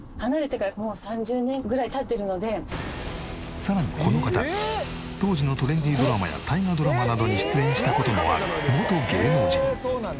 さらにこの方当時のトレンディドラマや大河ドラマなどに出演した事もある元芸能人。